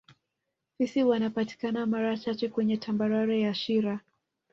Fisi wanapatikana mara chache kweye tambarare ya shira